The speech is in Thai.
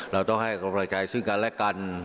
เราต้องให้กำลังใจซึ่งกันและกัน